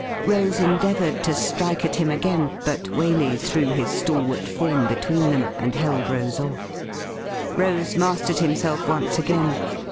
Rose endeavoured to strike at him again, but Waley A LEAP IN THE DARK 809 threw his stalwart form between them, and held Rose ofF. Rose mastered himself once again.